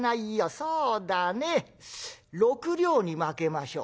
そうだね６両にまけましょう」。